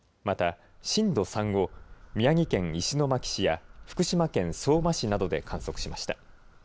また、震度３を宮城県石巻市や福島県相馬市などで観測しました。